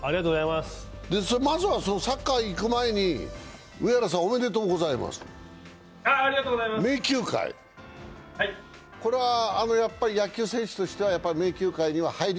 まずはサッカーに行く前に上原さん、おめでとうございます、名球会入り。